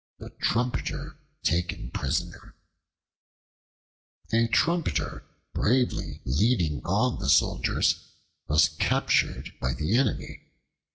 The Trumpeter Taken Prisoner A TRUMPETER, bravely leading on the soldiers, was captured by the enemy.